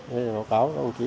báo cáo của công chí